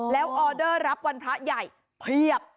แล้วออเดอร์รับวันพระใหญ่เพียบ